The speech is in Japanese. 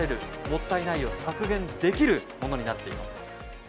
もったいないを削減できるものになっています。